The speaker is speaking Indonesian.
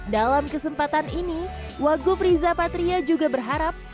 dalam kesempatan ini wagub riza patria juga berharap